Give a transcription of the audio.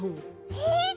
えっ！？